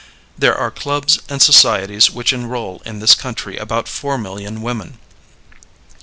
There are clubs and societies which enroll in this country about four million women.